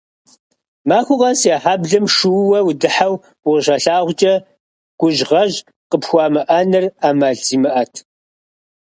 Махуэ къэс я хьэблэм шууэ удыхьэу укъыщалъагъукӀэ, гужьгъэжь къыпхуамыӀэныр Ӏэмал зимыӀэт.